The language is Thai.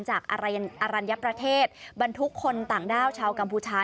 จากอรัญญประเทศบรรทุกคนต่างด้าวชาวกัมพูชา